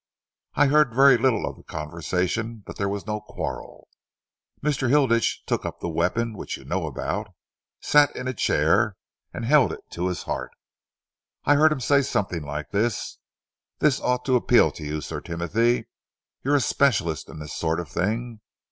I heard very little of the conversation but there was no quarrel. Mr. Hilditch took up the weapon which you know about, sat in a chair and held it to his heart. I heard him say something like this. 'This ought to appeal to you, Sir Timothy. You're a specialist in this sort of thing.